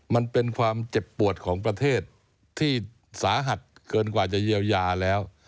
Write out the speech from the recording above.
มันเป็นความเจ็บปวดของประเทศที่สาหัสเกินกว่าจะเยียวยาแล้ว